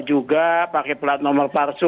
juga pakai pelat nomer palsu